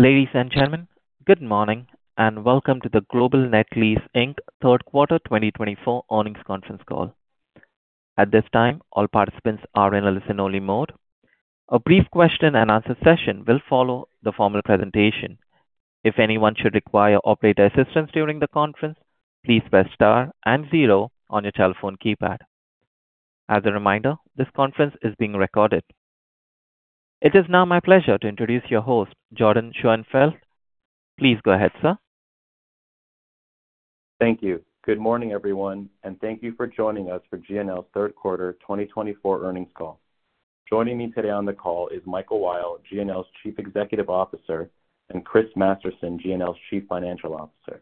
Ladies and gentlemen, good morning and welcome to the Global Net Lease, Inc. Q3 2024 earnings conference call. At this time, all participants are in a listen-only mode. A brief question-and-answer session will follow the formal presentation. If anyone should require operator assistance during the conference, please press star and zero on your telephone keypad. As a reminder, this conference is being recorded. It is now my pleasure to introduce your host, Jordyn Schoenfeld. Please go ahead, sir. Thank you. Good morning, everyone, and thank you for joining us for G&L Q3 2024 earnings call. Joining me today on the call is Michael Weil, G&L's Chief Executive Officer, and Chris Masterson, G&L's Chief Financial Officer.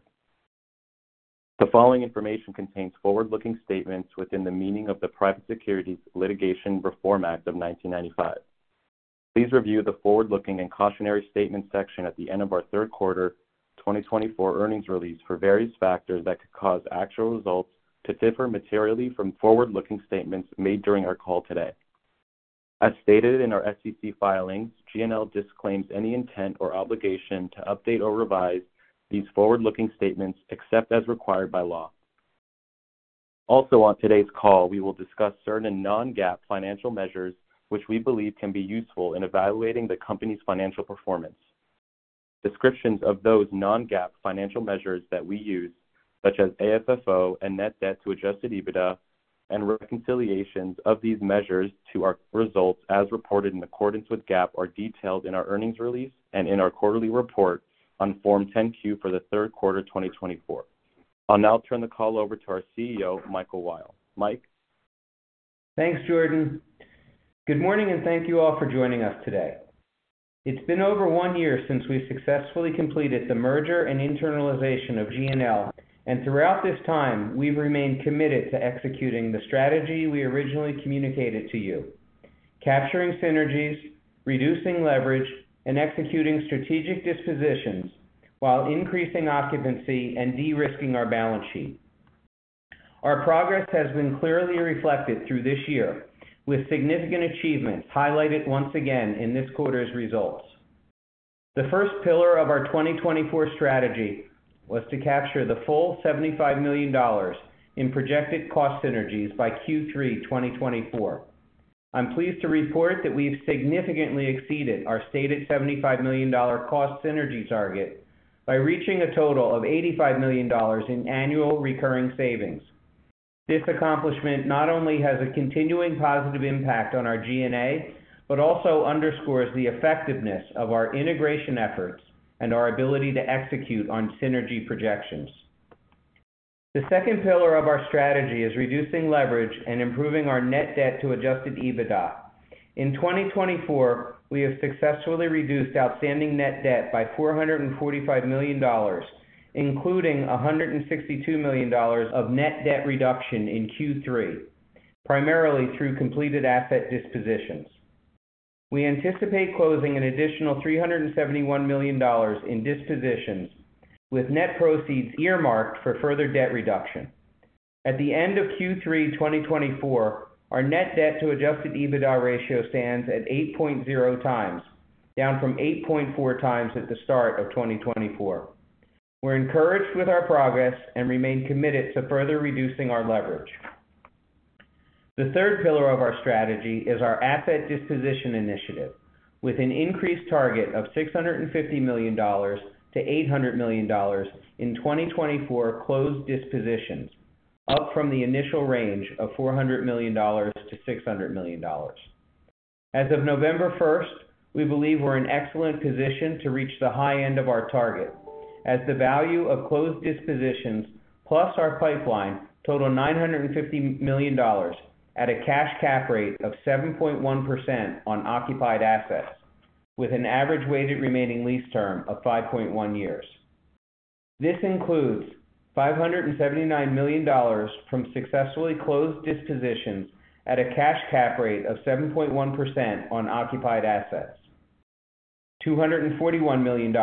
The following information contains forward-looking statements within the meaning of the Private Securities Litigation Reform Act of 1995. Please review the forward-looking and cautionary statements section at the end of our Q3 2024 earnings release for various factors that could cause actual results to differ materially from forward-looking statements made during our call today. As stated in our SEC filings, G&L disclaims any intent or obligation to update or revise these forward-looking statements except as required by law. Also, on today's call, we will discuss certain non-GAAP financial measures which we believe can be useful in evaluating the company's financial performance. Descriptions of those non-GAAP financial measures that we use, such as AFFO and net debt to adjusted EBITDA, and reconciliations of these measures to our results as reported in accordance with GAAP are detailed in our earnings release and in our quarterly report on Form 10-Q for Q3 2024. I'll now turn the call over to our CEO, Michael Weil. Mike. Thanks, Jordyn. Good morning and thank you all for joining us today. It's been over one year since we successfully completed the merger and internalization of G&L, and throughout this time, we've remained committed to executing the strategy we originally communicated to you: capturing synergies, reducing leverage, and executing strategic dispositions while increasing occupancy and de-risking our balance sheet. Our progress has been clearly reflected through this year, with significant achievements highlighted once again in this quarter's results. The first pillar of our 2024 strategy was to capture the full $75 million in projected cost synergies by Q3 2024. I'm pleased to report that we've significantly exceeded our stated $75 million cost synergy target by reaching a total of $85 million in annual recurring savings. This accomplishment not only has a continuing positive impact on our G&A but also underscores the effectiveness of our integration efforts and our ability to execute on synergy projections. The second pillar of our strategy is reducing leverage and improving our net debt to Adjusted EBITDA. In 2024, we have successfully reduced outstanding net debt by $445 million, including $162 million of net debt reduction in Q3, primarily through completed asset dispositions. We anticipate closing an additional $371 million in dispositions, with net proceeds earmarked for further debt reduction. At the end of Q3 2024, our net debt to Adjusted EBITDA ratio stands at 8.0 times, down from 8.4 times at the start of 2024. We're encouraged with our progress and remain committed to further reducing our leverage. The third pillar of our strategy is our asset disposition initiative, with an increased target of $650 million-$800 million in 2024 closed dispositions, up from the initial range of $400 million-$600 million. As of November 1st, we believe we're in excellent position to reach the high end of our target, as the value of closed dispositions plus our pipeline total $950 million at a cash cap rate of 7.1% on occupied assets, with an average weighted remaining lease term of 5.1 years. This includes $579 million from successfully closed dispositions at a cash cap rate of 7.1% on occupied assets, $241 million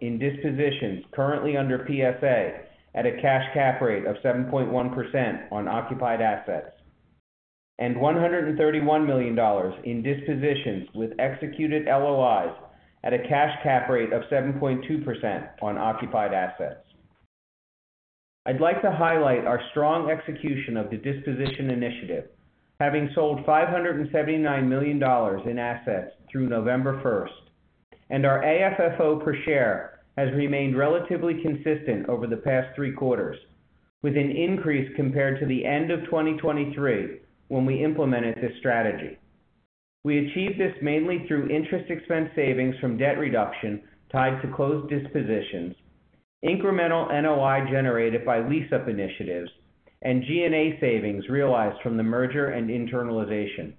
in dispositions currently under PSA at a cash cap rate of 7.1% on occupied assets, and $131 million in dispositions with executed LOIs at a cash cap rate of 7.2% on occupied assets. I'd like to highlight our strong execution of the disposition initiative, having sold $579 million in assets through November 1st, and our AFFO per share has remained relatively consistent over the past three quarters, with an increase compared to the end of 2023 when we implemented this strategy. We achieved this mainly through interest expense savings from debt reduction tied to closed dispositions, incremental NOI generated by lease-up initiatives, and G&A savings realized from the merger and internalization.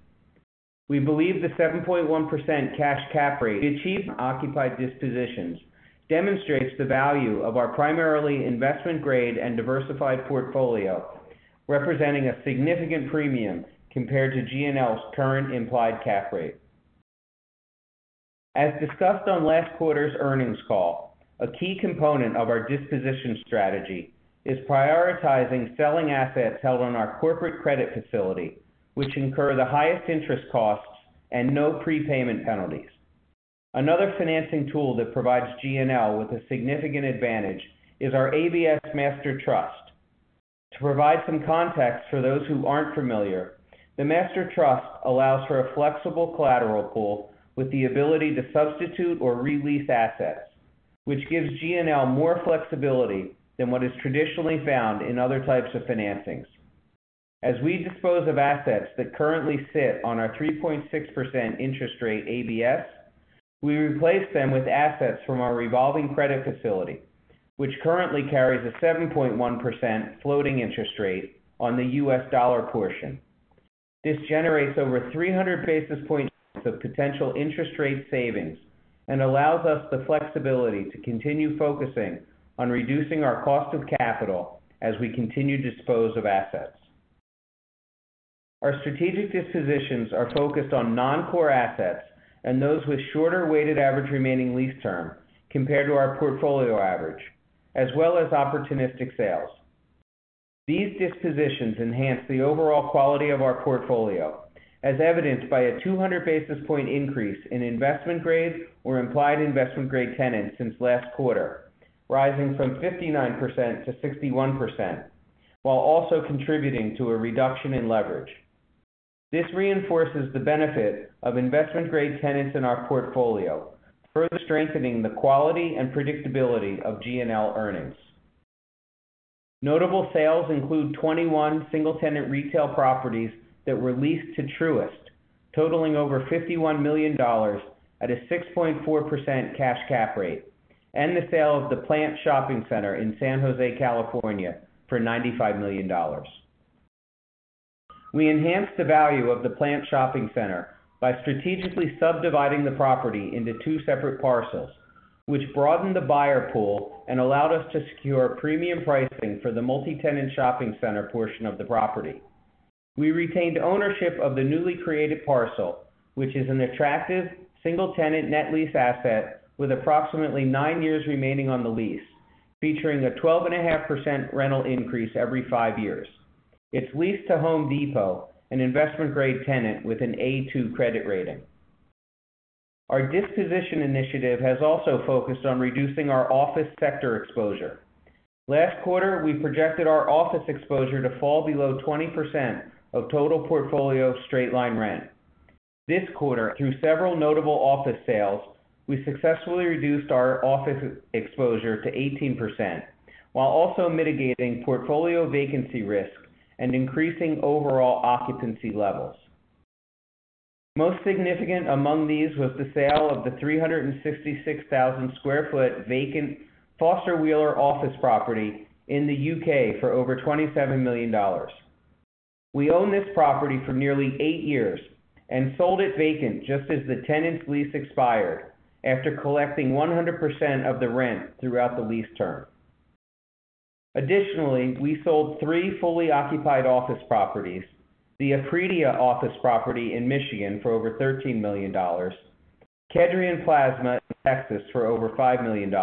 We believe the 7.1% cash cap rate we achieved from occupied dispositions demonstrates the value of our primarily investment-grade and diversified portfolio, representing a significant premium compared to G&L's current implied cap rate. As discussed on last quarter's earnings call, a key component of our disposition strategy is prioritizing selling assets held on our corporate credit facility, which incur the highest interest costs and no prepayment penalties. Another financing tool that provides G&L with a significant advantage is our ABS Master Trust. To provide some context for those who aren't familiar, the Master Trust allows for a flexible collateral pool with the ability to substitute or re-lease assets, which gives G&L more flexibility than what is traditionally found in other types of financings. As we dispose of assets that currently sit on our 3.6% interest rate ABS, we replace them with assets from our revolving credit facility, which currently carries a 7.1% floating interest rate on the U.S. dollar portion. This generates over 300 basis points of potential interest rate savings and allows us the flexibility to continue focusing on reducing our cost of capital as we continue to dispose of assets. Our strategic dispositions are focused on non-core assets and those with shorter weighted average remaining lease term compared to our portfolio average, as well as opportunistic sales. These dispositions enhance the overall quality of our portfolio, as evidenced by a 200 basis point increase in investment-grade or implied investment-grade tenants since last quarter, rising from 59% to 61%, while also contributing to a reduction in leverage. This reinforces the benefit of investment-grade tenants in our portfolio, further strengthening the quality and predictability of G&L earnings. Notable sales include 21 single-tenant retail properties that were leased to Truist, totaling over $51 million at a 6.4% cash cap rate, and the sale of the Plant Shopping Center in San Jose, California, for $95 million. We enhanced the value of The Plant Shopping Center by strategically subdividing the property into two separate parcels, which broadened the buyer pool and allowed us to secure premium pricing for the multi-tenant shopping center portion of the property. We retained ownership of the newly created parcel, which is an attractive single-tenant net lease asset with approximately nine years remaining on the lease, featuring a 12.5% rental increase every five years. It's leased to Home Depot, an investment-grade tenant with an A2 credit rating. Our disposition initiative has also focused on reducing our office sector exposure. Last quarter, we projected our office exposure to fall below 20% of total portfolio straight-line rent. This quarter, through several notable office sales, we successfully reduced our office exposure to 18%, while also mitigating portfolio vacancy risk and increasing overall occupancy levels. Most significant among these was the sale of the 366,000 sq ft vacant Foster Wheeler office property in the U.K. for over $27 million. We own this property for nearly eight years and sold it vacant just as the tenant's lease expired after collecting 100% of the rent throughout the lease term. Additionally, we sold three fully occupied office properties: the Acredia office property in Michigan for over $13 million, Kedrion Plasma in Texas for over $5 million,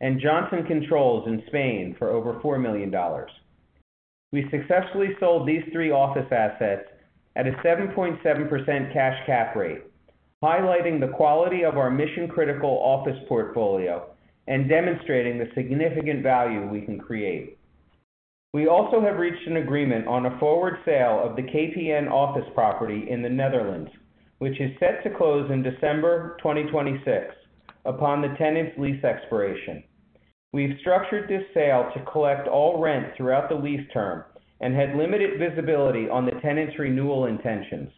and Johnson Controls in Spain for over $4 million. We successfully sold these three office assets at a 7.7% cash cap rate, highlighting the quality of our mission-critical office portfolio and demonstrating the significant value we can create. We also have reached an agreement on a forward sale of the KPN office property in the Netherlands, which is set to close in December 2026 upon the tenant's lease expiration. We've structured this sale to collect all rent throughout the lease term and had limited visibility on the tenant's renewal intentions.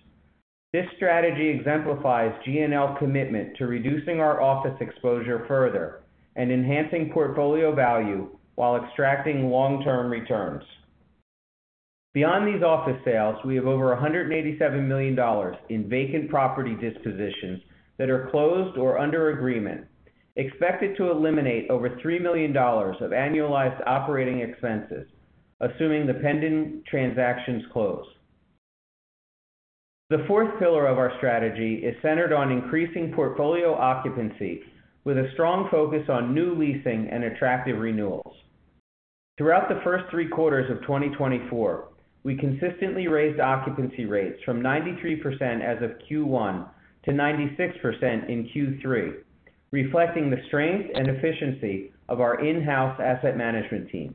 This strategy exemplifies G&L's commitment to reducing our office exposure further and enhancing portfolio value while extracting long-term returns. Beyond these office sales, we have over $187 million in vacant property dispositions that are closed or under agreement, expected to eliminate over $3 million of annualized operating expenses, assuming the pending transactions close. The fourth pillar of our strategy is centered on increasing portfolio occupancy with a strong focus on new leasing and attractive renewals. Throughout the first three quarters of 2024, we consistently raised occupancy rates from 93% as of Q1 to 96% in Q3, reflecting the strength and efficiency of our in-house asset management team.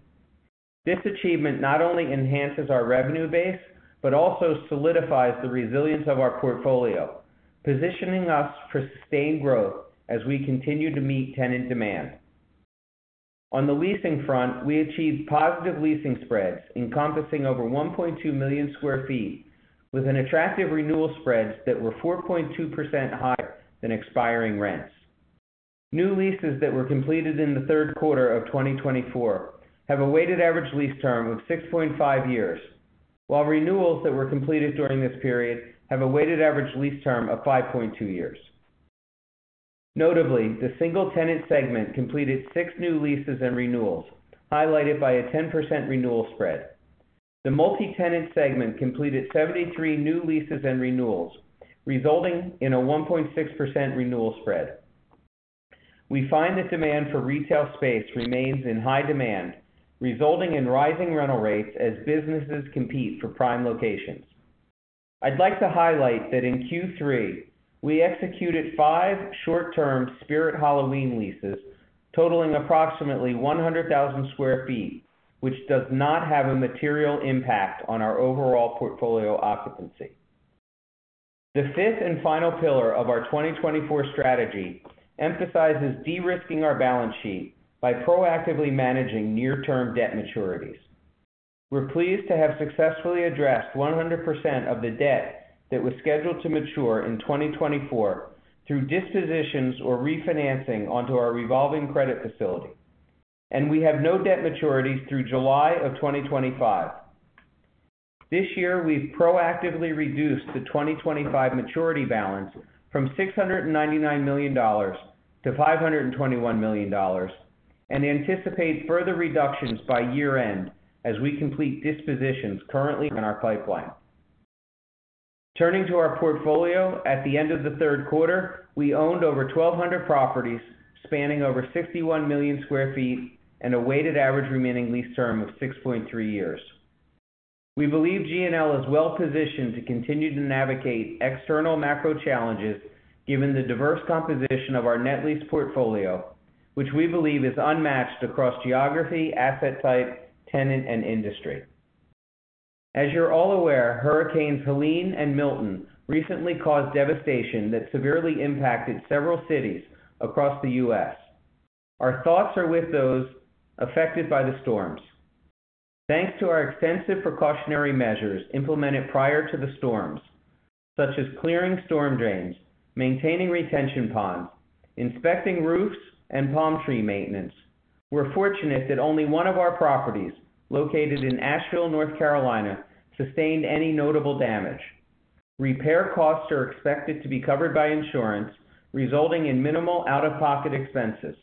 This achievement not only enhances our revenue base but also solidifies the resilience of our portfolio, positioning us for sustained growth as we continue to meet tenant demand. On the leasing front, we achieved positive leasing spreads encompassing over 1.2 million sq ft, with attractive renewal spreads that were 4.2% higher than expiring rents. New leases that were completed in the Q3 of 2024 have a weighted average lease term of 6.5 years, while renewals that were completed during this period have a weighted average lease term of 5.2 years. Notably, the single-tenant segment completed six new leases and renewals, highlighted by a 10% renewal spread. The multi-tenant segment completed 73 new leases and renewals, resulting in a 1.6% renewal spread. We find that demand for retail space remains in high demand, resulting in rising rental rates as businesses compete for prime locations. I'd like to highlight that in Q3, we executed five short-term Spirit Halloween leases totaling approximately 100,000 sq ft, which does not have a material impact on our overall portfolio occupancy. The fifth and final pillar of our 2024 strategy emphasizes de-risking our balance sheet by proactively managing near-term debt maturities. We're pleased to have successfully addressed 100% of the debt that was scheduled to mature in 2024 through dispositions or refinancing onto our revolving credit facility, and we have no debt maturities through July of 2025. This year, we've proactively reduced the 2025 maturity balance from $699 million to $521 million and anticipate further reductions by year-end as we complete dispositions currently on our pipeline. Turning to our portfolio, at the end of the Q3, we owned over 1,200 properties spanning over 61 million sq ft and a weighted average remaining lease term of 6.3 years. We believe G&L is well-positioned to continue to navigate external macro challenges given the diverse composition of our net lease portfolio, which we believe is unmatched across geography, asset type, tenant, and industry. As you're all aware, Hurricanes Helene and Milton recently caused devastation that severely impacted several cities across the U.S. Our thoughts are with those affected by the storms. Thanks to our extensive precautionary measures implemented prior to the storms, such as clearing storm drains, maintaining retention ponds, inspecting roofs, and palm tree maintenance, we're fortunate that only one of our properties located in Asheville, North Carolina, sustained any notable damage. Repair costs are expected to be covered by insurance, resulting in minimal out-of-pocket expenses.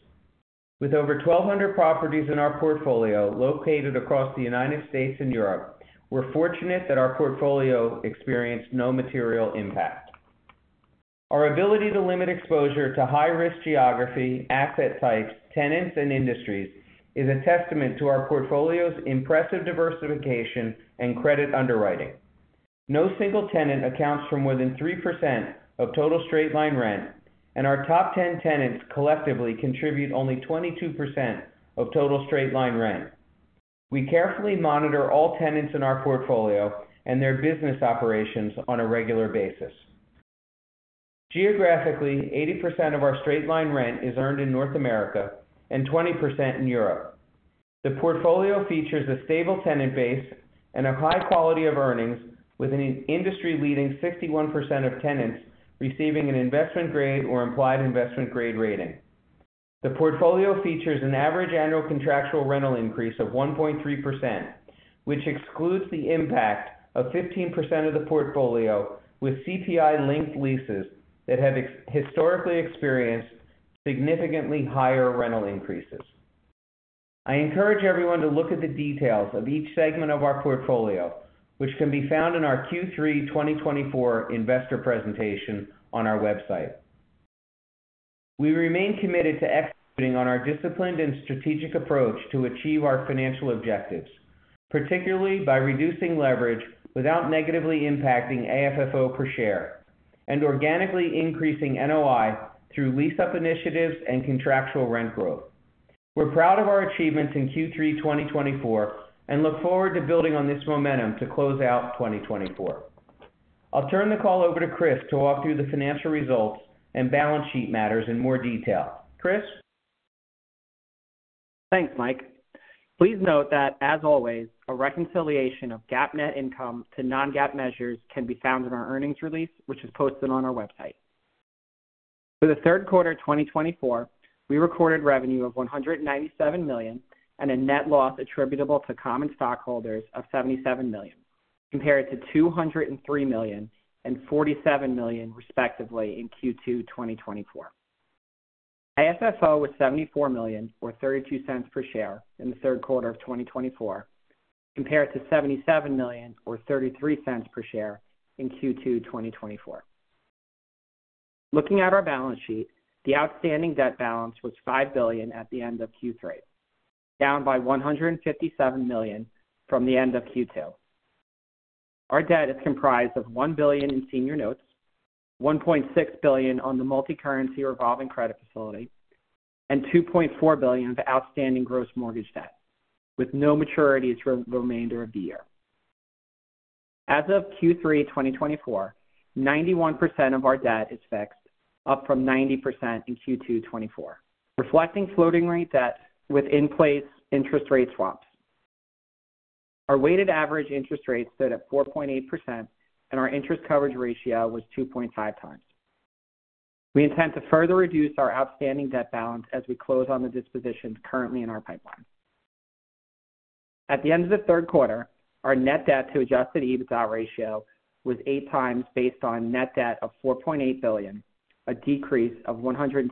With over 1,200 properties in our portfolio located across the United States and Europe, we're fortunate that our portfolio experienced no material impact. Our ability to limit exposure to high-risk geography, asset types, tenants, and industries is a testament to our portfolio's impressive diversification and credit underwriting. No single tenant accounts for more than 3% of total straight-line rent, and our top 10 tenants collectively contribute only 22% of total straight-line rent. We carefully monitor all tenants in our portfolio and their business operations on a regular basis. Geographically, 80% of our straight-line rent is earned in North America and 20% in Europe. The portfolio features a stable tenant base and a high quality of earnings, with an industry-leading 61% of tenants receiving an investment-grade or implied investment-grade rating. The portfolio features an average annual contractual rental increase of 1.3%, which excludes the impact of 15% of the portfolio with CPI-linked leases that have historically experienced significantly higher rental increases. I encourage everyone to look at the details of each segment of our portfolio, which can be found in our Q3 2024 investor presentation on our website. We remain committed to executing on our disciplined and strategic approach to achieve our financial objectives, particularly by reducing leverage without negatively impacting AFFO per share and organically increasing NOI through lease-up initiatives and contractual rent growth. We're proud of our achievements in Q3 2024 and look forward to building on this momentum to close out 2024. I'll turn the call over to Chris to walk through the financial results and balance sheet matters in more detail. Chris? Thanks, Mike. Please note that, as always, a reconciliation of GAAP net income to non-GAAP measures can be found in our earnings release, which is posted on our website. For the Q3 of 2024, we recorded revenue of $197 million and a net loss attributable to common stockholders of $77 million, compared to $203 million and $47 million, respectively, in Q2 2024. AFFO was $74 million, or $0.32 per share in the Q3 of 2024, compared to $77 million, or $0.32 per share in Q2 2024. Looking at our balance sheet, the outstanding debt balance was $5 billion at the end of Q3, down by $157 million from the end of Q2. Our debt is comprised of $1 billion in senior notes, $1.6 billion on the multi-currency revolving credit facility, and $2.4 billion of outstanding gross mortgage debt, with no maturities for the remainder of the year. As of Q3 2024, 91% of our debt is fixed, up from 90% in Q2 2024, reflecting floating-rate debt with in-place interest rate swaps. Our weighted average interest rate stood at 4.8%, and our interest coverage ratio was 2.5 times. We intend to further reduce our outstanding debt balance as we close on the dispositions currently in our pipeline. At the end of the Q3, our net debt to Adjusted EBITDA ratio was eight times based on net debt of $4.8 billion, a decrease of $162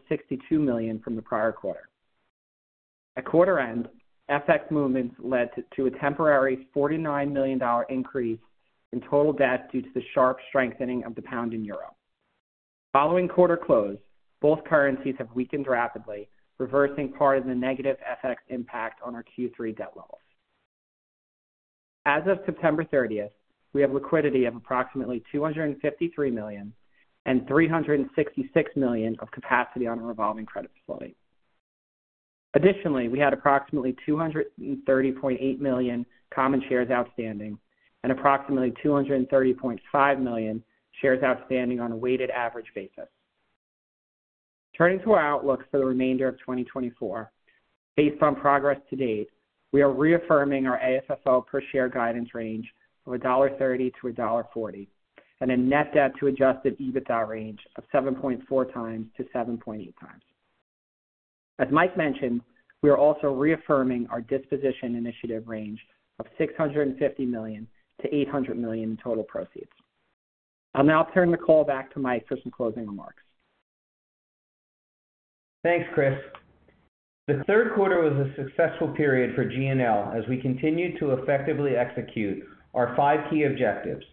million from the prior quarter. At quarter-end, FX movements led to a temporary $49 million increase in total debt due to the sharp strengthening of the pound in Europe. Following quarter close, both currencies have weakened rapidly, reversing part of the negative FX impact on our Q3 debt levels. As of September 30, we have liquidity of approximately $253 million and $366 million of capacity on our revolving credit facility. Additionally, we had approximately 230.8 million common shares outstanding and approximately 230.5 million shares outstanding on a weighted average basis. Turning to our outlook for the remainder of 2024, based on progress to date, we are reaffirming our AFFO per share guidance range of $1.30-$1.40 and a net debt to adjusted EBITDA range of 7.4 times-7.8 times. As Mike mentioned, we are also reaffirming our disposition initiative range of $650 million-$800 million in total proceeds. I'll now turn the call back to Mike for some closing remarks. Thanks, Chris. The Q3 was a successful period for G&L as we continued to effectively execute our five key objectives: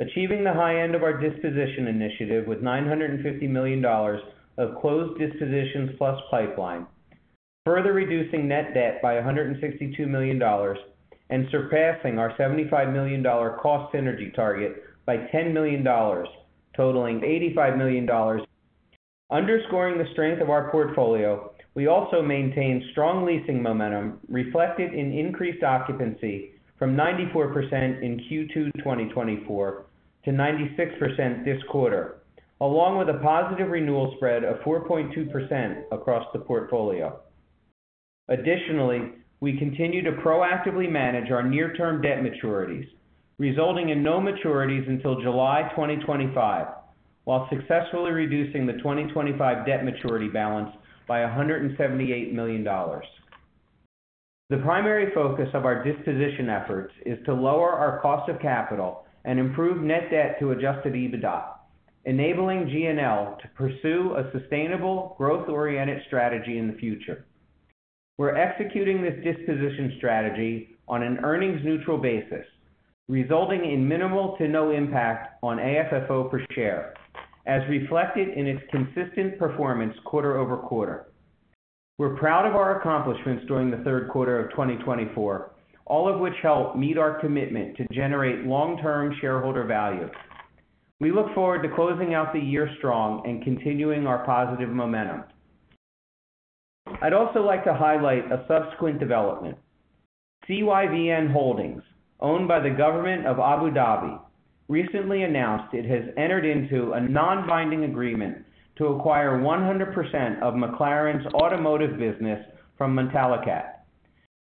achieving the high end of our disposition initiative with $950 million of closed dispositions plus pipeline, further reducing net debt by $162 million and surpassing our $75 million cost synergy target by $10 million, totaling $85 million. Underscoring the strength of our portfolio, we also maintain strong leasing momentum reflected in increased occupancy from 94% in Q2 2024 to 96% this quarter, along with a positive renewal spread of 4.2% across the portfolio. Additionally, we continue to proactively manage our near-term debt maturities, resulting in no maturities until July 2025, while successfully reducing the 2025 debt maturity balance by $178 million. The primary focus of our disposition efforts is to lower our cost of capital and improve net debt to Adjusted EBITDA, enabling G&L to pursue a sustainable, growth-oriented strategy in the future. We're executing this disposition strategy on an earnings-neutral basis, resulting in minimal to no impact on AFFO per share, as reflected in its consistent performance quarter-over-quarter. We're proud of our accomplishments during the Q3 of 2024, all of which help meet our commitment to generate long-term shareholder value. We look forward to closing out the year strong and continuing our positive momentum. I'd also like to highlight a subsequent development. CYVN Holdings, owned by the Government of Abu Dhabi, recently announced it has entered into a non-binding agreement to acquire 100% of McLaren's automotive business from Mumtalakat.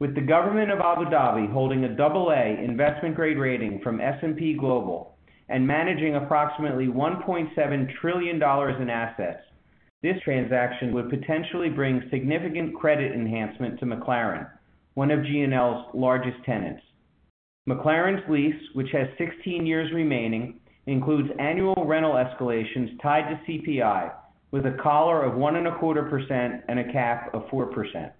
With the Government of Abu Dhabi holding a double-A investment-grade rating from S&P Global and managing approximately $1.7 trillion in assets, this transaction would potentially bring significant credit enhancement to McLaren, one of G&L's largest tenants. McLaren's lease, which has 16 years remaining, includes annual rental escalations tied to CPI with a collar of 1.25% and a cap of 4%.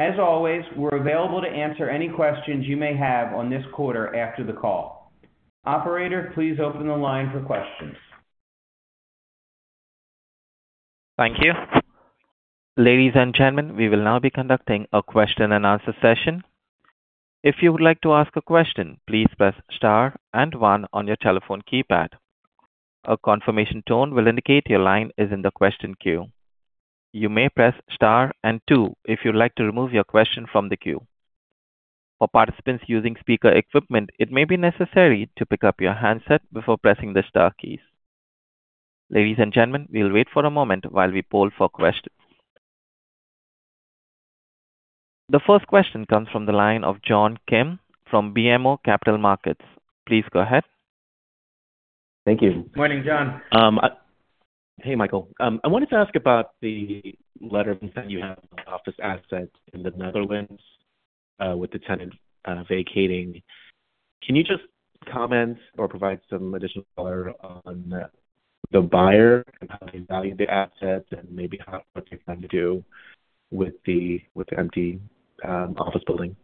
As always, we're available to answer any questions you may have on this quarter after the call. Operator, please open the line for questions. Thank you. Ladies and gentlemen, we will now be conducting a question-and-answer session. If you would like to ask a question, please press Star and 1 on your telephone keypad. A confirmation tone will indicate your line is in the question queue. You may press Star and 2 if you'd like to remove your question from the queue. For participants using speaker equipment, it may be necessary to pick up your handset before pressing the Star keys. Ladies and gentlemen, we'll wait for a moment while we poll for questions. The first question comes from the line of John Kim from BMO Capital Markets. Please go ahead. Thank you. Good morning, John. Hey, Michael. I wanted to ask about the letter that you have on office assets in the Netherlands with the tenant vacating. Can you just comment or provide some additional color on the buyer and how they value the assets and maybe what they plan to do with the empty office building?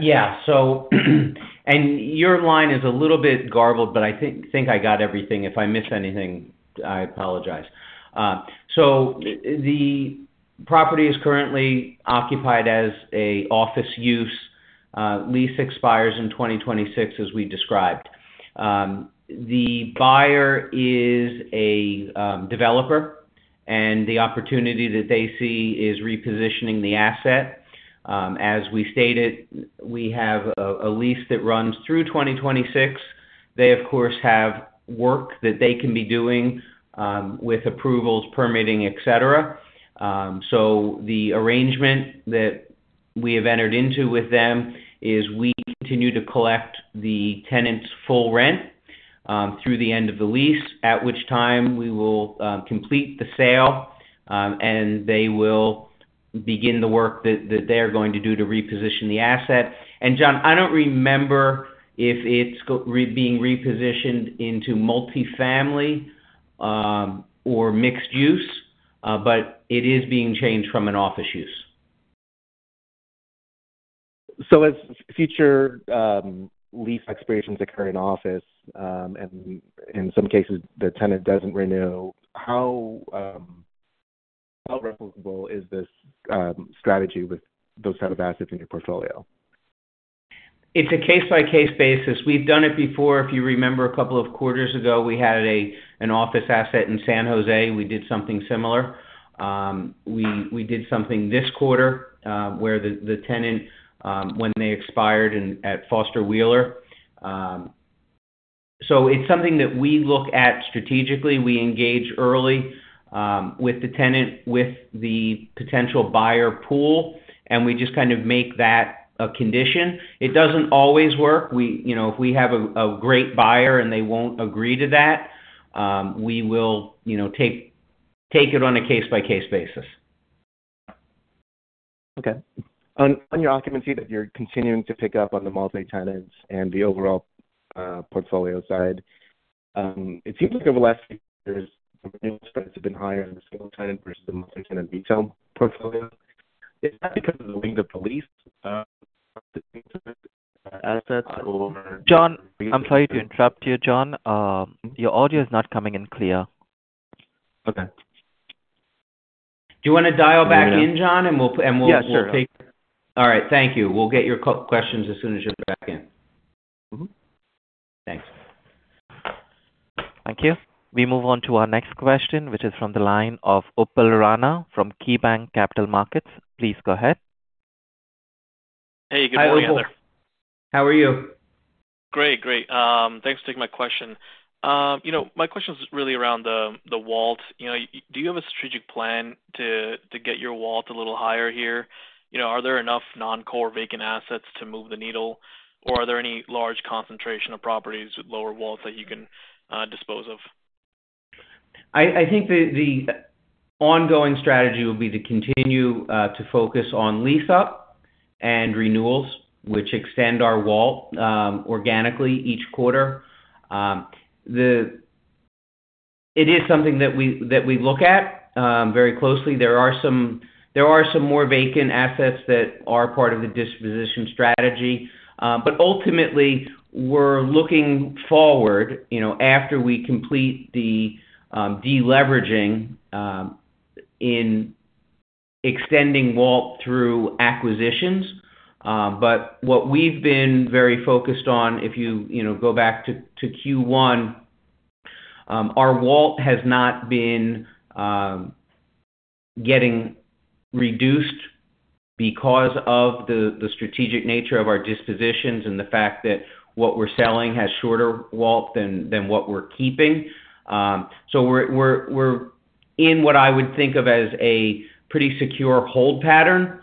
Yeah. And your line is a little bit garbled, but I think I got everything. If I miss anything, I apologize. So the property is currently occupied as an office use. Lease expires in 2026, as we described. The buyer is a developer, and the opportunity that they see is repositioning the asset. As we stated, we have a lease that runs through 2026. They, of course, have work that they can be doing with approvals, permitting, etc. So the arrangement that we have entered into with them is we continue to collect the tenant's full rent through the end of the lease, at which time we will complete the sale, and they will begin the work that they are going to do to reposition the asset. And John, I don't remember if it's being repositioned into multi-family or mixed use, but it is being changed from an office use. So as future lease expirations occur in office and in some cases the tenant doesn't renew, how replicable is this strategy with those types of assets in your portfolio? It's a case-by-case basis. We've done it before. If you remember, a couple of quarters ago, we had an office asset in San Jose. We did something similar. We did something this quarter where the tenant, when they expired at Foster Wheeler. So it's something that we look at strategically. We engage early with the tenant, with the potential buyer pool, and we just kind of make that a condition. It doesn't always work. If we have a great buyer and they won't agree to that, we will take it on a case-by-case basis. Okay. On your occupancy that you're continuing to pick up on the multi-tenants and the overall portfolio side, it seems like over the last few years, the renewal spreads have been higher in the single-tenant versus the multi-tenant retail portfolio. Is that because of the length of the lease on the assets, or? John, I'm sorry to interrupt you, John. Your audio is not coming in clear. Okay. Do you want to dial back in, John, and we'll take? Yes, sir. All right. Thank you. We'll get your questions as soon as you're back in. Thanks. Thank you. We move on to our next question, which is from the line of Upal Rana from KeyBank Capital Markets. Please go ahead. Hey, good morning, Heather. Hi, William. How are you? Great, great. Thanks for taking my question. My question is really around the WALs. Do you have a strategic plan to get your WAL a little higher here? Are there enough non-core vacant assets to move the needle, or are there any large concentration of properties with lower WALs that you can dispose of? I think the ongoing strategy will be to continue to focus on lease-up and renewals, which extend our WAL organically each quarter. It is something that we look at very closely. There are some more vacant assets that are part of the disposition strategy. But ultimately, we're looking forward after we complete the deleveraging in extending WALT through acquisitions. But what we've been very focused on, if you go back to Q1, our WALT has not been getting reduced because of the strategic nature of our dispositions and the fact that what we're selling has shorter WALT than what we're keeping. So we're in what I would think of as a pretty secure hold pattern,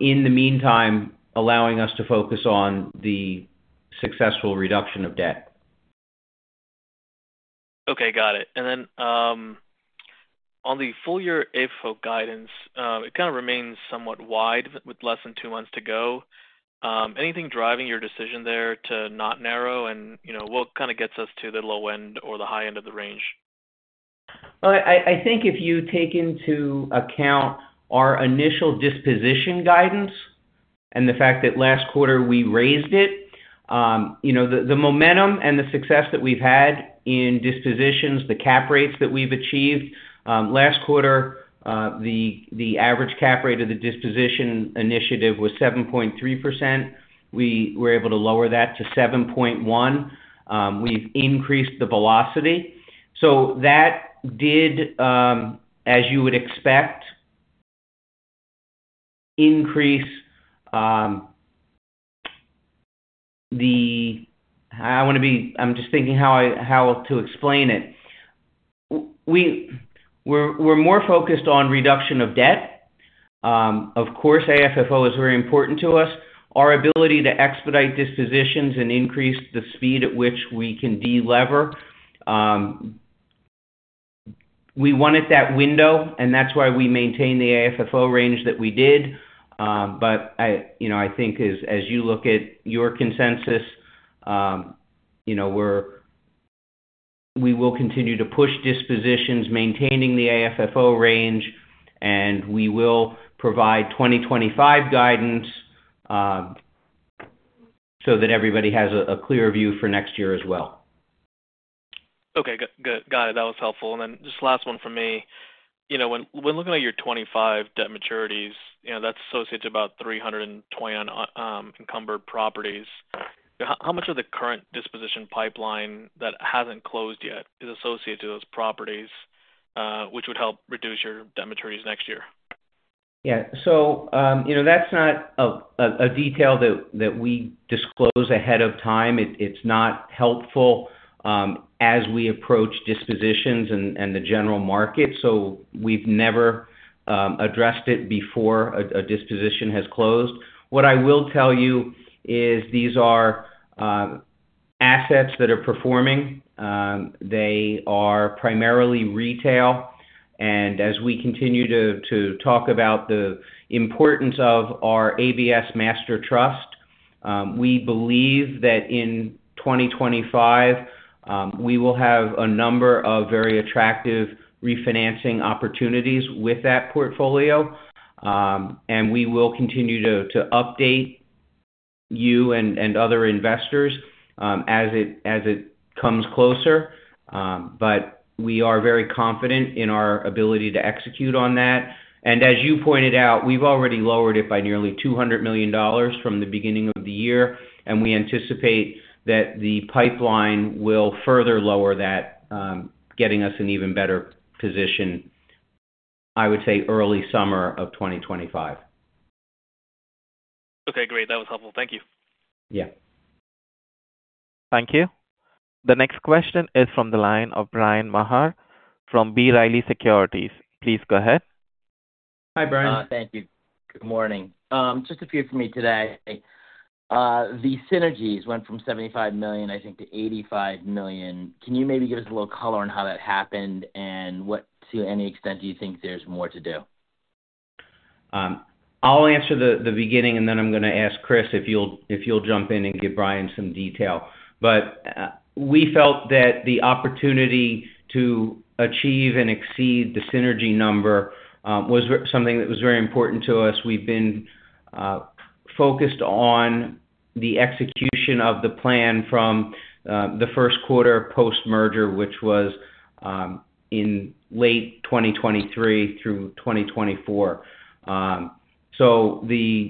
in the meantime allowing us to focus on the successful reduction of debt. Okay. Got it. And then on the full-year FFO guidance, it kind of remains somewhat wide with less than two months to go. Anything driving your decision there to not narrow, and what kind of gets us to the low end or the high end of the range? Well, I think if you take into account our initial disposition guidance and the fact that last quarter we raised it, the momentum and the success that we've had in dispositions, the cap rates that we've achieved. Last quarter, the average cap rate of the disposition initiative was 7.3%. We were able to lower that to 7.1%. We've increased the velocity. So that did, as you would expect, increase the, I want to be, I'm just thinking how to explain it. We're more focused on reduction of debt. Of course, AFFO is very important to us. Our ability to expedite dispositions and increase the speed at which we can delever. We wanted that window, and that's why we maintained the AFFO range that we did. But I think, as you look at your consensus, we will continue to push dispositions, maintaining the AFFO range, and we will provide 2025 guidance so that everybody has a clear view for next year as well. Okay. Got it. That was helpful. And then just last one from me. When looking at your 25 debt maturities, that's associated to about 320 encumbered properties. How much of the current disposition pipeline that hasn't closed yet is associated to those properties, which would help reduce your debt maturities next year? Yeah. So that's not a detail that we disclose ahead of time. It's not helpful as we approach dispositions and the general market. So we've never addressed it before a disposition has closed. What I will tell you is these are assets that are performing. They are primarily retail. As we continue to talk about the importance of our ABS Master Trust, we believe that in 2025, we will have a number of very attractive refinancing opportunities with that portfolio. We will continue to update you and other investors as it comes closer. We are very confident in our ability to execute on that. As you pointed out, we've already lowered it by nearly $200 million from the beginning of the year, and we anticipate that the pipeline will further lower that, getting us in an even better position, I would say, early summer of 2025. Okay. Great. That was helpful. Thank you. Yeah. Thank you. The next question is from the line of Bryan Maher from B. Riley Securities. Please go ahead. Hi, Bryan. Thank you. Good morning. Just a few for me today. The synergies went from $75 million, I think, to $85 million. Can you maybe give us a little color on how that happened, and to any extent do you think there's more to do? I'll answer the beginning, and then I'm going to ask Chris if you'll jump in and give Bryan some detail. But we felt that the opportunity to achieve and exceed the synergy number was something that was very important to us. We've been focused on the execution of the plan from the first quarter post-merger, which was in late 2023 through 2024. So the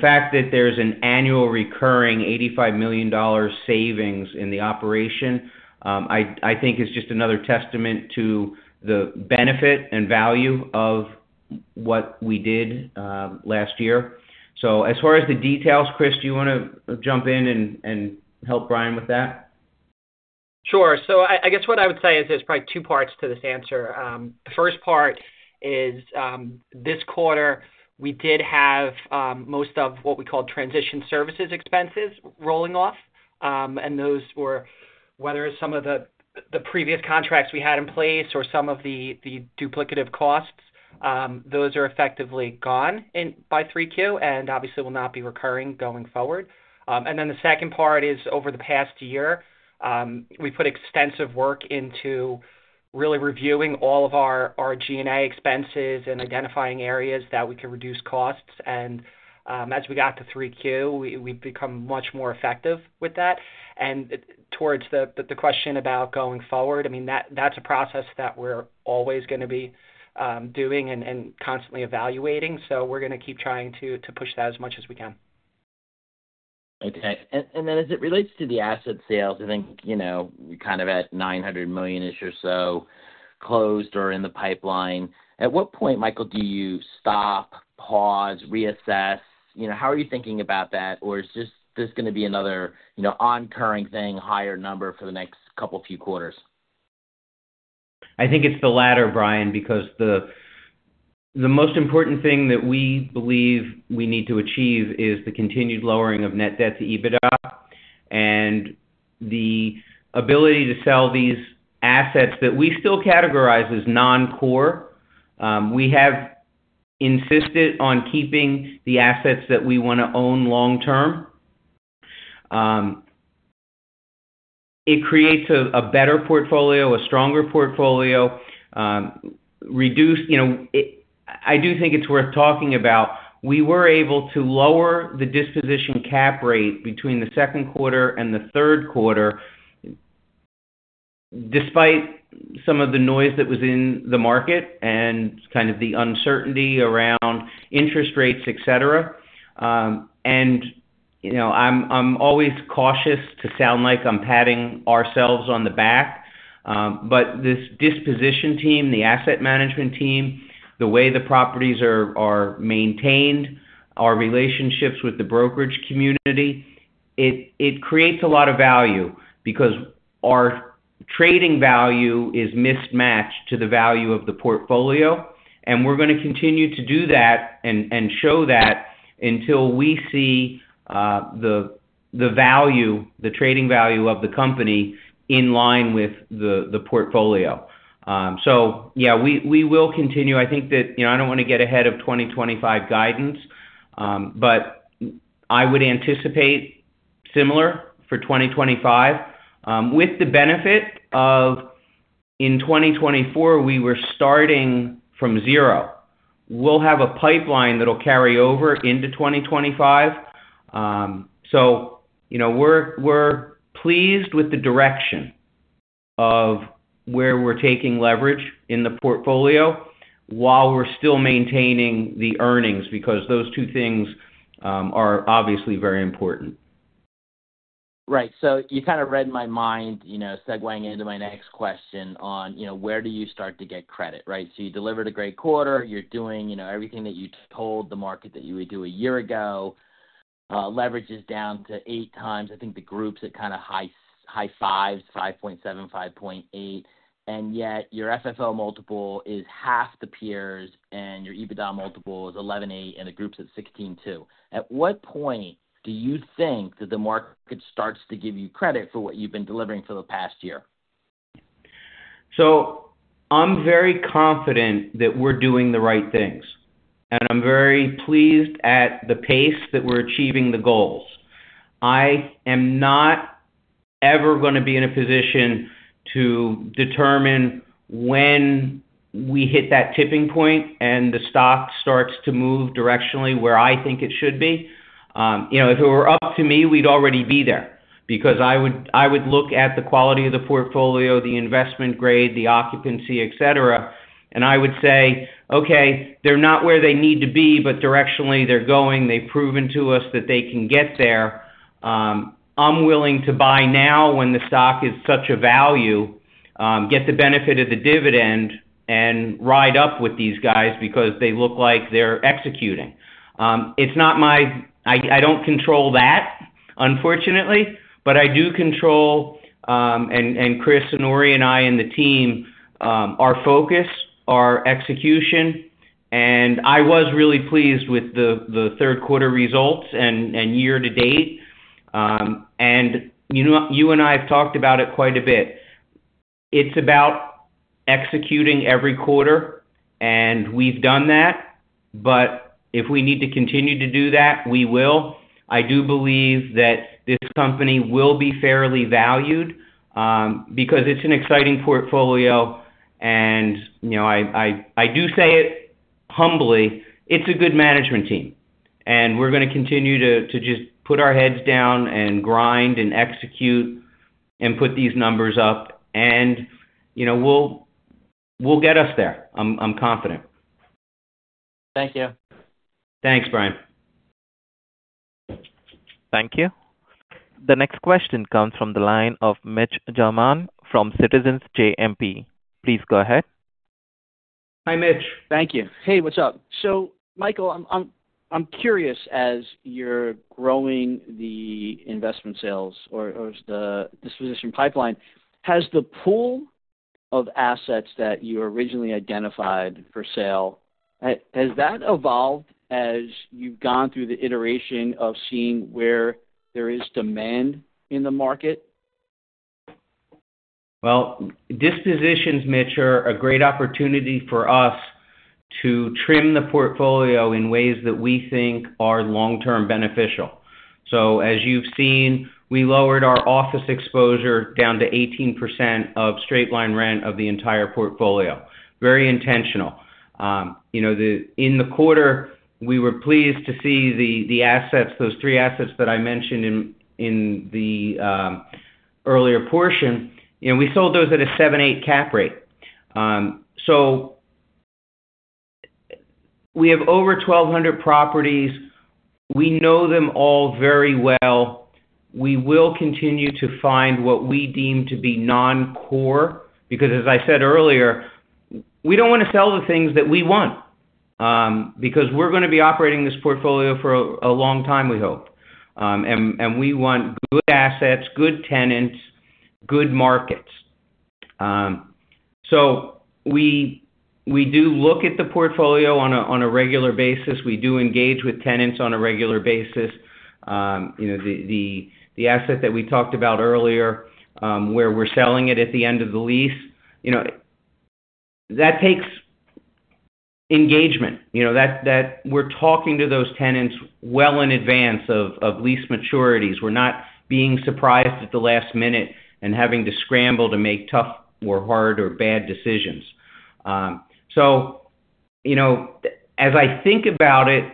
fact that there's an annual recurring $85 million savings in the operation, I think, is just another testament to the benefit and value of what we did last year. So as far as the details, Chris, do you want to jump in and help Bryan with that? Sure. So I guess what I would say is there's probably two parts to this answer. The first part is this quarter, we did have most of what we call transition services expenses rolling off. And those were, whether some of the previous contracts we had in place or some of the duplicative costs, those are effectively gone by 3Q and obviously will not be recurring going forward. And then the second part is over the past year, we put extensive work into really reviewing all of our G&A expenses and identifying areas that we could reduce costs. And as we got to 3Q, we've become much more effective with that. And towards the question about going forward, I mean, that's a process that we're always going to be doing and constantly evaluating. So we're going to keep trying to push that as much as we can. Okay. Then as it relates to the asset sales, I think we're kind of at $900 million-ish or so closed or in the pipeline. At what point, Michael, do you stop, pause, reassess? How are you thinking about that? Or is this going to be another recurring thing, higher number for the next couple of few quarters? I think it's the latter, Bryan, because the most important thing that we believe we need to achieve is the continued lowering of net debt to EBITDA and the ability to sell these assets that we still categorize as non-core. We have insisted on keeping the assets that we want to own long-term. It creates a better portfolio, a stronger portfolio. I do think it's worth talking about. We were able to lower the disposition cap rate between the Q2 and the Q3 despite some of the noise that was in the market and kind of the uncertainty around interest rates, etc. And I'm always cautious to sound like I'm patting ourselves on the back. But this disposition team, the asset management team, the way the properties are maintained, our relationships with the brokerage community, it creates a lot of value because our trading value is mismatched to the value of the portfolio. And we're going to continue to do that and show that until we see the trading value of the company in line with the portfolio. So yeah, we will continue. I think that I don't want to get ahead of 2025 guidance, but I would anticipate similar for 2025 with the benefit of in 2024, we were starting from zero. We'll have a pipeline that will carry over into 2025. So we're pleased with the direction of where we're taking leverage in the portfolio while we're still maintaining the earnings because those two things are obviously very important. Right. So you kind of read my mind, segueing into my next question on where do you start to get credit, right? So you delivered a great quarter. You're doing everything that you told the market that you would do a year ago. Leverage is down to eight times, I think, the groups at kind of high fives, 5.7, 5.8. And yet your FFO multiple is half the peers, and your EBITDA multiple is 11.8, and the groups at 16.2. At what point do you think that the market starts to give you credit for what you've been delivering for the past year? So I'm very confident that we're doing the right things. And I'm very pleased at the pace that we're achieving the goals. I am not ever going to be in a position to determine when we hit that tipping point and the stock starts to move directionally where I think it should be. If it were up to me, we'd already be there because I would look at the quality of the portfolio, the investment-grade, the occupancy, etc. And I would say, "Okay, they're not where they need to be, but directionally, they're going. They've proven to us that they can get there. I'm willing to buy now when the stock is such a value, get the benefit of the dividend, and ride up with these guys because they look like they're executing." It's not mine. I don't control that, unfortunately, but I do control, and Chris, and Ori, and I and the team are focused, execution, and I was really pleased with the Q3 results and year-to-date, and you and I have talked about it quite a bit. It's about executing every quarter, and we've done that, but if we need to continue to do that, we will. I do believe that this company will be fairly valued because it's an exciting portfolio, and I do say it humbly. It's a good management team, and we're going to continue to just put our heads down and grind and execute and put these numbers up, and we'll get us there. I'm confident. Thank you. Thanks, Bryan. Thank you. The next question comes from the line of Mitch Germain from Citizens JMP. Please go ahead. Hi, Mitch. Thank you. Hey, what's up? So, Michael, I'm curious, as you're growing the investment sales or the disposition pipeline, has the pool of assets that you originally identified for sale, has that evolved as you've gone through the iteration of seeing where there is demand in the market? Well, dispositions, Mitch, are a great opportunity for us to trim the portfolio in ways that we think are long-term beneficial. So as you've seen, we lowered our office exposure down to 18% of straight-line rent of the entire portfolio. Very intentional. In the quarter, we were pleased to see the assets, those three assets that I mentioned in the earlier portion. We sold those at a 7.8 cap rate. So we have over 1,200 properties. We know them all very well. We will continue to find what we deem to be non-core because, as I said earlier, we don't want to sell the things that we want because we're going to be operating this portfolio for a long time, we hope. And we want good assets, good tenants, good markets. So we do look at the portfolio on a regular basis. We do engage with tenants on a regular basis. The asset that we talked about earlier, where we're selling it at the end of the lease, that takes engagement. We're talking to those tenants well in advance of lease maturities. We're not being surprised at the last minute and having to scramble to make tough or hard or bad decisions. So as I think about it,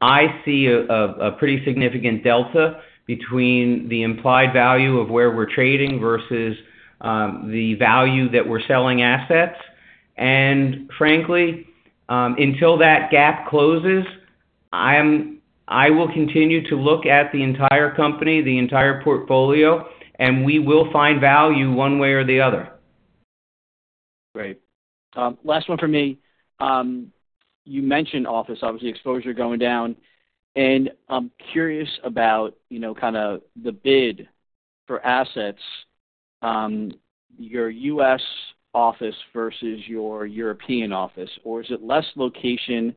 I see a pretty significant delta between the implied value of where we're trading versus the value that we're selling assets. And frankly, until that gap closes, I will continue to look at the entire company, the entire portfolio, and we will find value one way or the other. Great. Last one for me. You mentioned office. Obviously, exposure going down. And I'm curious about kind of the bid for assets, your U.S. office versus your European office. Or is it less location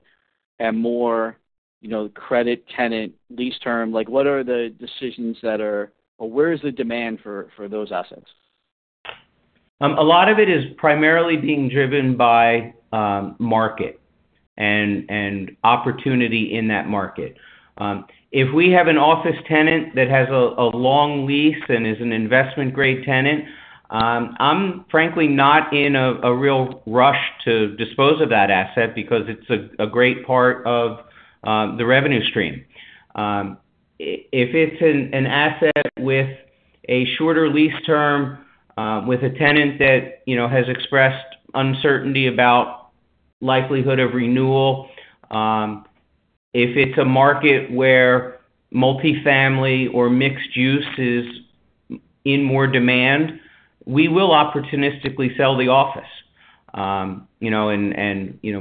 and more credit tenant lease term? What are the decisions that are, or where is the demand for those assets? A lot of it is primarily being driven by market and opportunity in that market. If we have an office tenant that has a long lease and is an investment-grade tenant, I'm frankly not in a real rush to dispose of that asset because it's a great part of the revenue stream. If it's an asset with a shorter lease term with a tenant that has expressed uncertainty about likelihood of renewal, if it's a market where multifamily or mixed-use is in more demand, we will opportunistically sell the office, and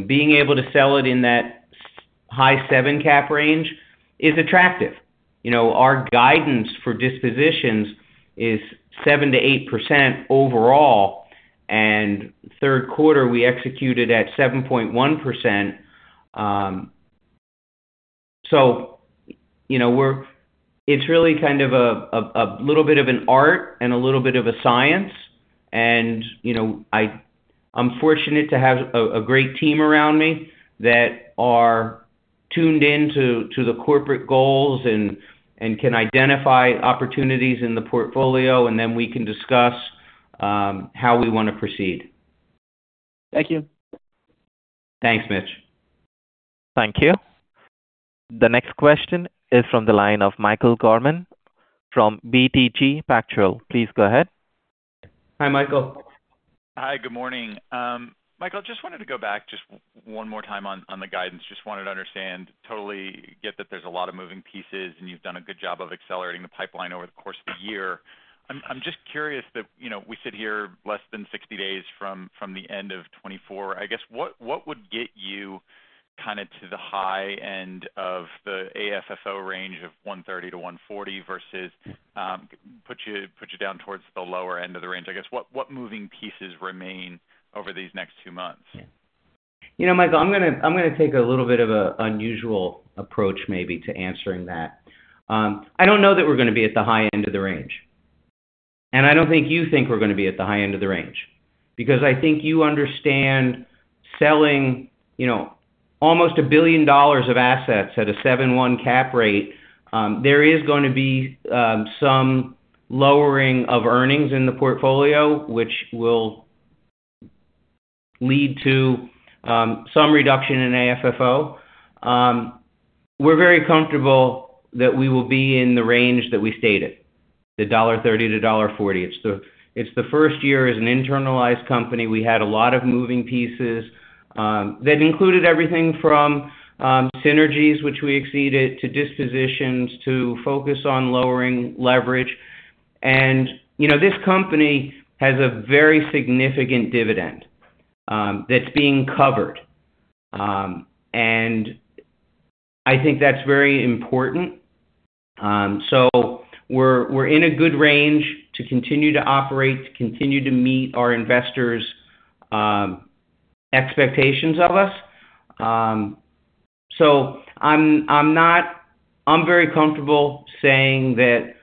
being able to sell it in that high 7 cap range is attractive. Our guidance for dispositions is 7%-8% overall, and Q3, we executed at 7.1%. So it's really kind of a little bit of an art and a little bit of a science, and I'm fortunate to have a great team around me that are tuned into the corporate goals and can identify opportunities in the portfolio. And then we can discuss how we want to proceed. Thank you. Thanks, Mitch. Thank you. The next question is from the line of Michael Gorman from BTIG. Please go ahead. Hi, Michael. Hi. Good morning. Michael, I just wanted to go back just one more time on the guidance. Just wanted to understand, totally get that there's a lot of moving pieces, and you've done a good job of accelerating the pipeline over the course of the year. I'm just curious that we sit here less than 60 days from the end of 2024. I guess what would get you kind of to the high end of the AFFO range of 130-140 versus put you down towards the lower end of the range? I guess what moving pieces remain over these next two months? Michael, I'm going to take a little bit of an unusual approach maybe to answering that. I don't know that we're going to be at the high end of the range. And I don't think you think we're going to be at the high end of the range because I think you understand selling almost $1 billion of assets at a 7.1% cap rate. There is going to be some lowering of earnings in the portfolio, which will lead to some reduction in AFFO. We're very comfortable that we will be in the range that we stated, the $1.30-$1.40. It's the first year as an internalized company. We had a lot of moving pieces that included everything from synergies, which we exceeded, to dispositions, to focus on lowering leverage. And this company has a very significant dividend that's being covered. And I think that's very important. So we're in a good range to continue to operate, continue to meet our investors' expectations of us. So I'm very comfortable saying that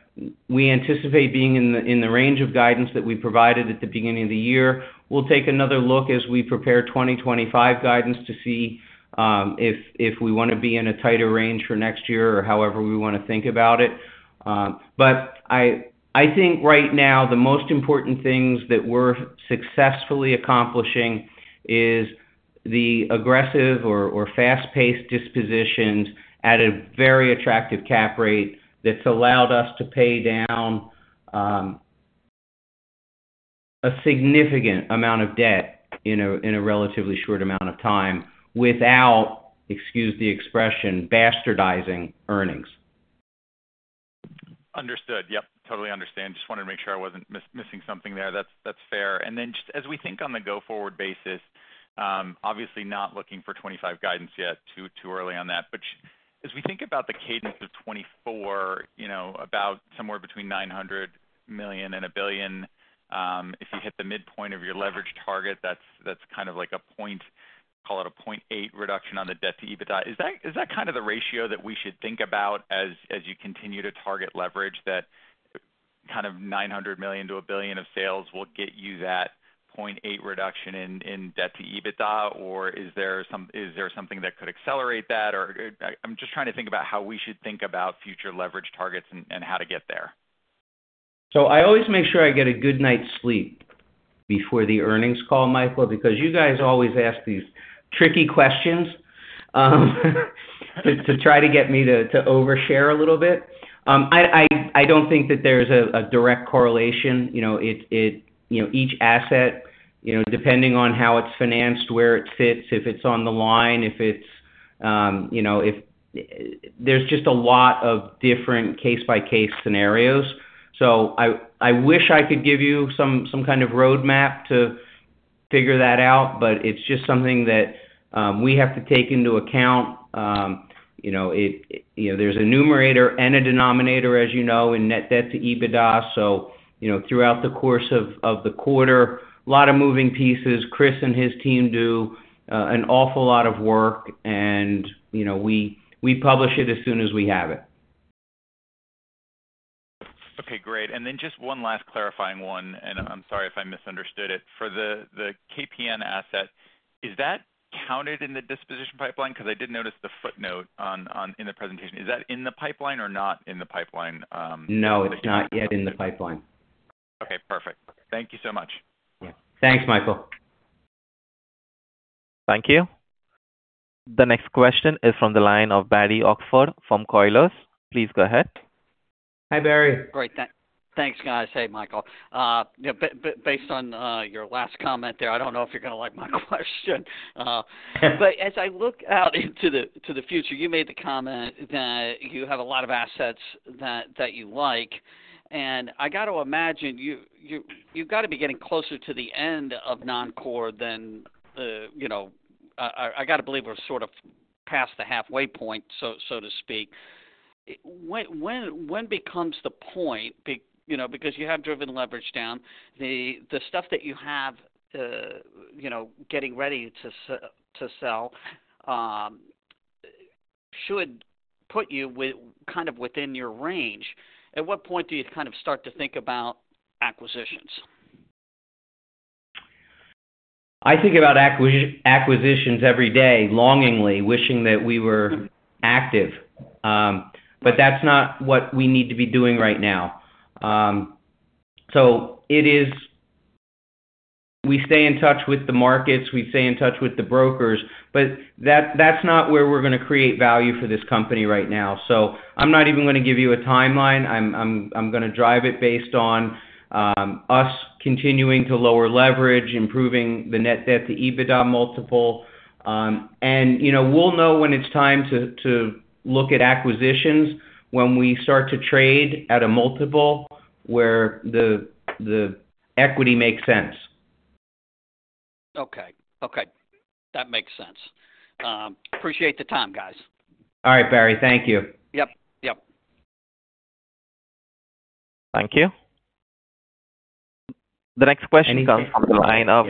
we anticipate being in the range of guidance that we provided at the beginning of the year. We'll take another look as we prepare 2025 guidance to see if we want to be in a tighter range for next year or however we want to think about it. But I think right now, the most important things that we're successfully accomplishing is the aggressive or fast-paced dispositions at a very attractive cap rate that's allowed us to pay down a significant amount of debt in a relatively short amount of time without, excuse the expression, bastardizing earnings. Understood. Yep. Totally understand. Just wanted to make sure I wasn't missing something there. That's fair. Then just as we think on the go-forward basis, obviously not looking for 2025 guidance yet, too early on that. But as we think about the cadence of 2024, about somewhere between $900 million-$1 billion, if you hit the midpoint of your leverage target, that's kind of like a point, call it a 0.8 reduction on the debt-to-EBITDA. Is that kind of the ratio that we should think about as you continue to target leverage that kind of $900 million-$1 billion of sales will get you that 0.8 reduction in debt-to-EBITDA? Or is there something that could accelerate that? Or I'm just trying to think about how we should think about future leverage targets and how to get there. So I always make sure I get a good night's sleep before the earnings call, Michael, because you guys always ask these tricky questions to try to get me to overshare a little bit. I don't think that there's a direct correlation. Each asset, depending on how it's financed, where it sits, if it's on the line, if it's, there's just a lot of different case-by-case scenarios. So I wish I could give you some kind of roadmap to figure that out, but it's just something that we have to take into account. There's a numerator and a denominator, as you know, in net debt-to-EBITDA. So throughout the course of the quarter, a lot of moving pieces. Chris and his team do an awful lot of work. And we publish it as soon as we have it. Okay. Great. And then just one last clarifying one. I'm sorry if I misunderstood it. For the KPN asset, is that counted in the disposition pipeline? Because I did notice the footnote in the presentation. Is that in the pipeline or not in the pipeline? No. It's not yet in the pipeline. Okay. Perfect. Thank you so much. Yeah. Thanks, Michael. Thank you. The next question is from the line of Barry Oxford from Colliers. Please go ahead. Hi, Barry. Great. Thanks, guys. Hey, Michael. Based on your last comment there, I don't know if you're going to like my question. But as I look out into the future, you made the comment that you have a lot of assets that you like. And I got to imagine you've got to be getting closer to the end of non-core than - I got to believe we're sort of past the halfway point, so to speak. When becomes the point? Because you have driven leverage down, the stuff that you have getting ready to sell should put you kind of within your range. At what point do you kind of start to think about acquisitions? I think about acquisitions every day, longingly, wishing that we were active. But that's not what we need to be doing right now. So we stay in touch with the markets. We stay in touch with the brokers. But that's not where we're going to create value for this company right now. So I'm not even going to give you a timeline. I'm going to drive it based on us continuing to lower leverage, improving the net debt-to-EBITDA multiple. And we'll know when it's time to look at acquisitions when we start to trade at a multiple where the equity makes sense. Okay. Okay. That makes sense. Appreciate the time, guys. All right, Barry. Thank you. Yep. Yep. Thank you. The next question comes from the line of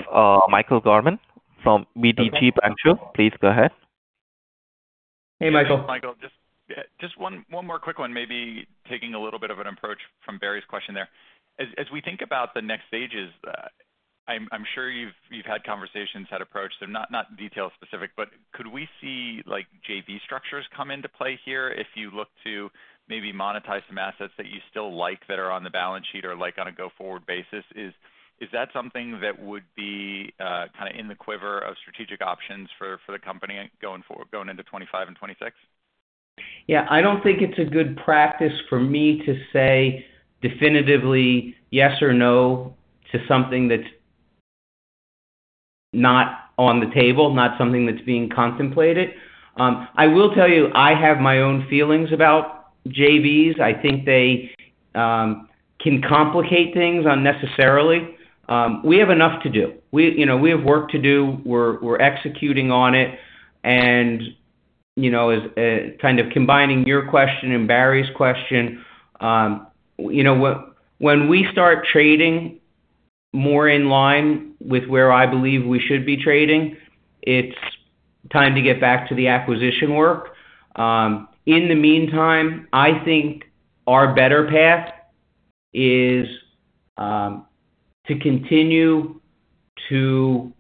Michael Gorman from BTIG. Please go ahead. Hey, Michael. Michael, just one more quick one, maybe taking a little bit of an approach from Barry's question there. As we think about the next stages, I'm sure you've had conversations that approached them, not detail specific, but could we see JV structures come into play here if you look to maybe monetize some assets that you still like that are on the balance sheet or on a go-forward basis? Is that something that would be kind of in the quiver of strategic options for the company going into 2025 and 2026? Yeah. I don't think it's a good practice for me to say definitively yes or no to something that's not on the table, not something that's being contemplated. I will tell you, I have my own feelings about JVs. I think they can complicate things unnecessarily. We have enough to do. We have work to do. We're executing on it, and kind of combining your question and Barry's question, when we start trading more in line with where I believe we should be trading, it's time to get back to the acquisition work. In the meantime, I think our better path is to continue to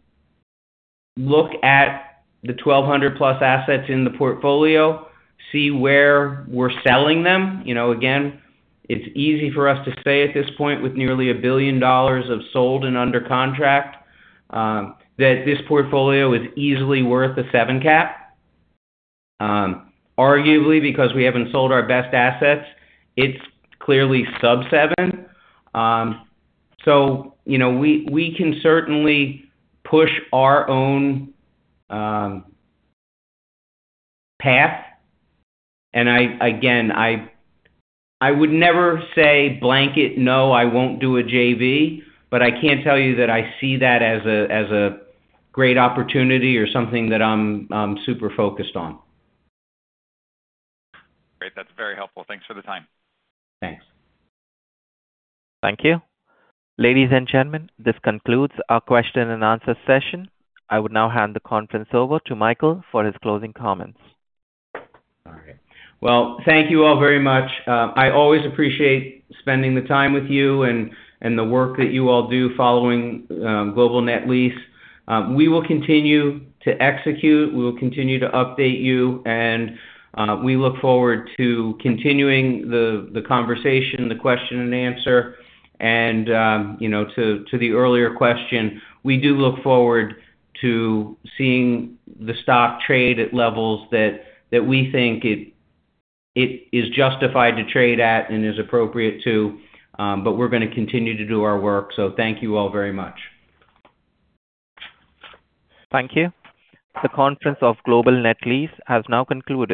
look at the 1,200-plus assets in the portfolio, see where we're selling them. Again, it's easy for us to say at this point with nearly $1 billion of sold and under contract that this portfolio is easily worth a 7 cap. Arguably, because we haven't sold our best assets, it's clearly sub-7, so we can certainly push our own path. And again, I would never say blanket, "No, I won't do a JV." But I can't tell you that I see that as a great opportunity or something that I'm super focused on. Great. That's very helpful. Thanks for the time. Thanks. Thank you. Ladies and gentlemen, this concludes our question and answer session. I will now hand the conference over to Michael for his closing comments. All right. Well, thank you all very much. I always appreciate spending the time with you and the work that you all do following Global Net Lease. We will continue to execute. We will continue to update you. And we look forward to continuing the conversation, the question and answer. And to the earlier question, we do look forward to seeing the stock trade at levels that we think it is justified to trade at and is appropriate to. But we're going to continue to do our work. So thank you all very much. Thank you. The conference call of Global Net Lease has now concluded.